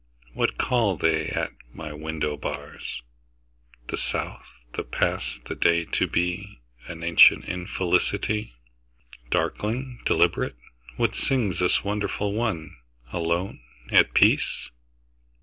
What call they at my window bars? The South, the past, the day to be, An ancient infelicity. Darkling, deliberate, what singsThis wonderful one, alone, at peace?